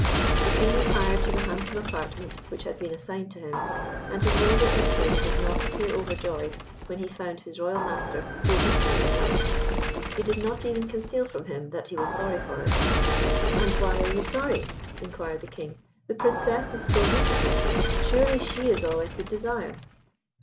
The King retired to the handsome apartment which had been assigned to him, and his worthy Equerry did not appear overjoyed when he found his royal master so deeply in love. He did not even conceal from him that he was sorry for it. "And why are you sorry?" inquired the King. "The Princess is so beautiful; surely she is all I could desire."